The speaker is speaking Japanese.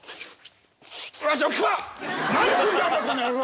何すんだよこの野郎！